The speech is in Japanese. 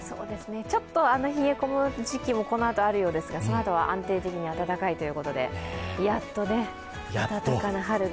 ちょっと冷え込む時期もこのあとあるようですが、そのあとは安定的に暖かいということで、やっと暖かな春が。